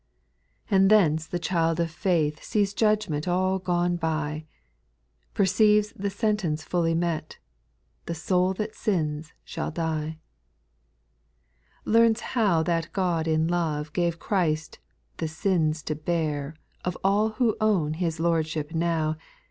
8. And thence the child of faith Sees judgment all gone by, Perceives the sentence fully met, " The soul that sins shall die ;"— 4. Learns how that God in love Gave Christ the sins to bear Of aU who own His Lordship now.